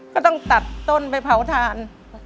ก็ต้องตัดต้นไปเผาทาน